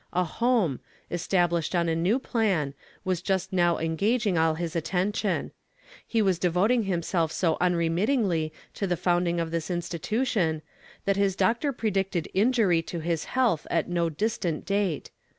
A "Home," established on a new plan, was just now engaging all his attention: he was devoting himself so unremittingly to the founding of this institution that his doctor predicted injury to his health at no distant date.